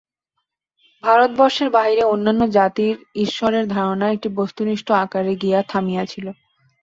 ভারতবর্ষের বাহিরে অন্যান্য জাতির ঈশ্বরের ধারণা একটি বস্তুনিষ্ঠ আকারে গিয়া থামিয়াছিল।